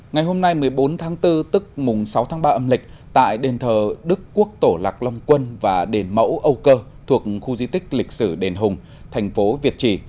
ngày hôm nay một mươi bốn tháng bốn tức sáu tháng ba âm lịch tại đền thờ đức quốc tổ lạc long quân và đền mẫu âu cơ thuộc khu di tích lịch sử đền hùng thành phố việt trì